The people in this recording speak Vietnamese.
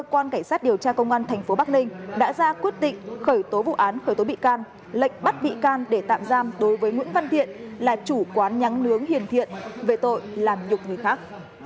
vào sáng nay công an thành phố bắc ninh đã khởi tố bị can bắt tạm giam hai tháng đối với lăng vân sinh năm hai nghìn ba chú tại tỉnh vĩnh phúc là nhân viên quán nhắn nướng hiện thiện để điều tra hành vi làm nhục người khác